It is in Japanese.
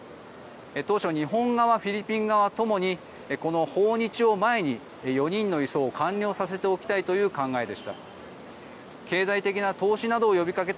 当初日本側、フィリピン側ともにこの訪日を前に４人の移送を完了させておきたいという考えでした。